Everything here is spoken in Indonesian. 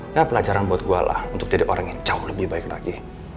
ya pelajaran buat gue lah untuk jadi orang yang jauh lebih baik lagi